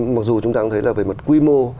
mặc dù chúng ta cũng thấy là về mặt quy mô